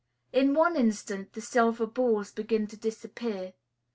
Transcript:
In one instant the silver balls begin to disappear.